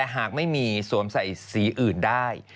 หากไม่มีสวมใส่สีอื่นได้